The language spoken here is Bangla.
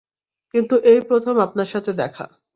কিন্তু, এই প্রথম আপনার সাথে দেখা।